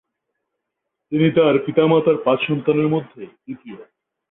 তিনি তার পিতামাতার পাঁচ সন্তানের মধ্যে তৃতীয়।